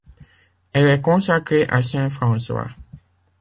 Elle est consacrée à saint François.